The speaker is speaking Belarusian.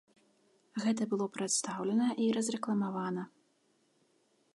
Гэта было прадстаўлена і разрэкламавана.